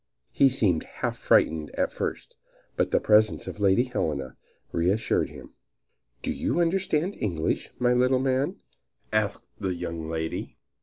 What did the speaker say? He seemed half frightened at first, but the presence of Lady Helena reassured him. "Do you understand English, my little man?" asked the young lady.